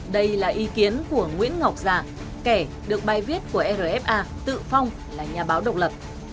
đây là ý kiến của nguyễn ngọc già kẻ được bài viết của rfa tự phong là nhà báo độc lập